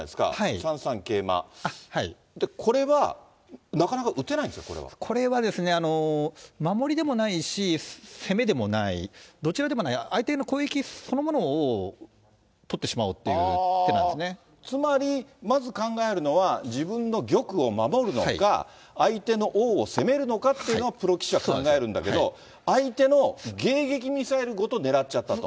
３三桂馬、これは、なかなか打てこれはですね、守りでもないし、攻めでもない、どちらでもない、相手への攻撃そのものを取っつまり、まず考えるのは自分の玉を守るのか、相手の王を攻めるのかっていうのをプロ棋士は考えるんだけど、相手の迎撃ミサイルごと狙っちゃったと？